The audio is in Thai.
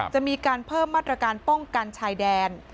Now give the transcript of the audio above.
จะมีการเพิ่มมาตรการป้องกันชายแดน